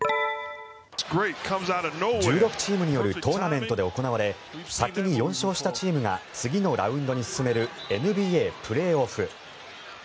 １６チームによるトーナメントで行われ先に４勝したチームが次のラウンドに進めるＮＢＡプレーオフ。